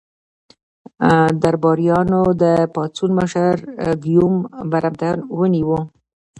درباریانو د پاڅون مشر ګیوم برمته ونیو.